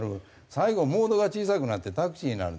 最後モードが小さくなってタクシーになる。